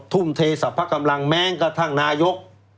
ทุ่มเทสรรพกำลังแม้กระทั่งนายก